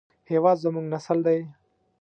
هېواد زموږ نسل دی